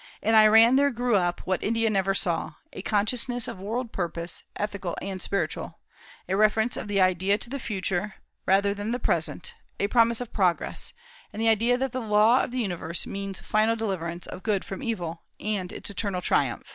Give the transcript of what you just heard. In Iran there grew up, what India never saw, a consciousness of world purpose, ethical and spiritual; a reference of the ideal to the future rather than the present; a promise of progress; and the idea that the law of the universe means the final deliverance of good from evil, and its eternal triumph."